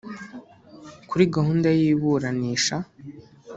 Kuri gahunda y’iburanisha